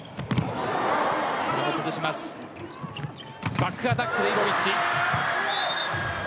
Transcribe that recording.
バックアタック、イボビッチ。